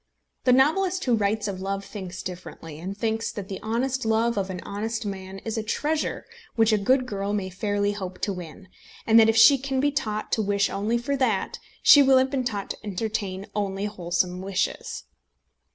The novelist who writes of love thinks differently, and thinks that the honest love of an honest man is a treasure which a good girl may fairly hope to win, and that if she can be taught to wish only for that, she will have been taught to entertain only wholesome wishes.